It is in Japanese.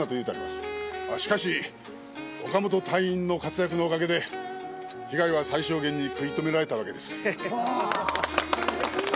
まあしかし岡本隊員の活躍のおかげで被害は最小限に食い止められたわけです。